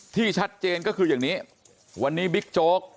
ที่ชัดเจนก็คืออย่างนี้วันนี้บิ๊กโจ๊ก